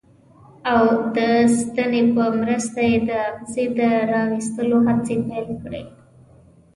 او د ستنې په مرسته یې د اغزي د را ویستلو هڅې پیل کړې.